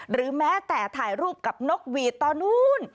หรือแม้แต่ถ่ายรูปกับนกหวีดตอนนู้น